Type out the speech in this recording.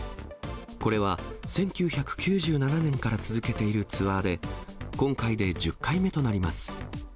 これは１９９７年から続けているツアーで、今回で１０回目となります。